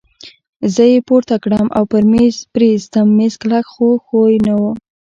زه يې پورته کړم او پر مېز پرې ایستم، مېز کلک خو ښوی وو.